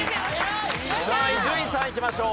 さあ伊集院さんいきましょう。